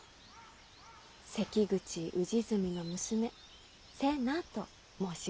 関口氏純の娘瀬名と申します。